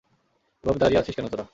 এভাবে দাঁড়িয়ে আছিস কেন তোরা?